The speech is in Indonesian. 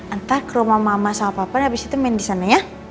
ntar ke rumah mama sama papan abis itu main di sana ya